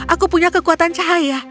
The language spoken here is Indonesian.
aku punya kekuatan cahaya